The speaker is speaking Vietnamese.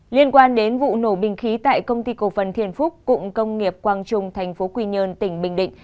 liên quan đến vụ nổ bình khí tại công ty cổ phần thiền phúc cụng công nghiệp quang trung tp quy nhơn tỉnh bình định